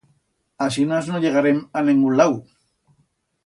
Asinas no llegarem a nengún lau.